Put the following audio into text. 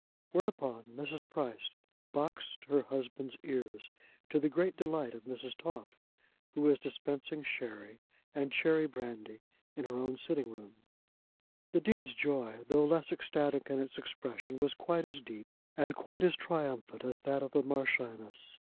Whereupon Mrs. Price boxed her husband's ears, to the great delight of Mrs. Toff, who was dispensing sherry and cherry brandy in her own sitting room. The Dean's joy, though less ecstatic in its expression, was quite as deep and quite as triumphant as that of the Marchioness.